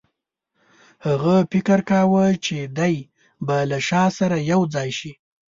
هغه فکر کاوه چې دی به له شاه سره یو ځای شي.